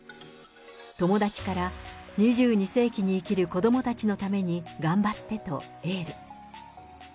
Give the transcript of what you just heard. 友達から、２２世紀に生きる子どもたちのために、頑張ってとエール。